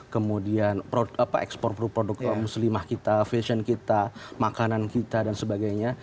kemudian ekspor produk muslimah kita fashion kita makanan kita dan sebagainya